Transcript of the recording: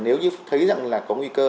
nếu như thấy rằng là có nguy cơ